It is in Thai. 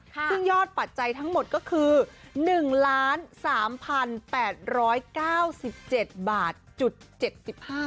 ซึ่งยอดปัจจัยทั้งหมดก็คือ๑ล้าน๓๘๙๗บาทจุด๗๕สตาร์